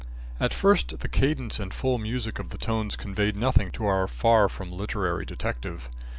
At first, the cadence and full music of the tones conveyed nothing to our far from literary detective.